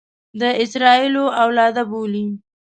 د اسراییلو اولاده بولي.